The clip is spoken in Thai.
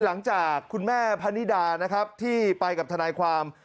หลังจากคุณแม่พนิดานะครับที่ไปกับทนายความ